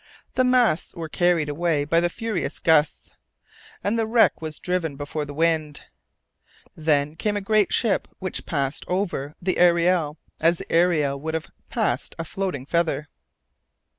The masts were carried away by the furious gusts, and the wreck was driven before the wind. Then came a great ship which passed over the Ariel as the Ariel would have passed over a floating feather.